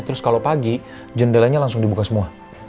terus kalau pagi jendelanya langsung dibuka semua